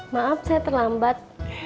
maaf saya terlambat